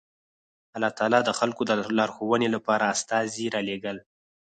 الله تعالی د خلکو د لارښوونې لپاره استازي رالېږل